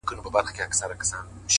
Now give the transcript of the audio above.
څه ژوند كولو ته مي پريږده كنه ،